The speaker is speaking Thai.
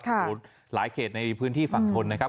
หรือหลายเขตในพื้นที่ฝั่งธนตร์นะครับ